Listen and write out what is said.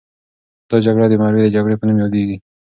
دا جګړه د مروې د جګړې په نوم یادیږي.